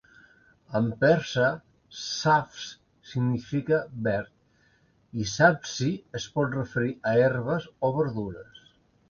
En persa "sabz" significa verd i "sabzi" es pot referir a herbes o verdures.